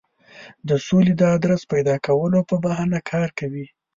د سولې د آدرس پیدا کولو په بهانه کار کوي.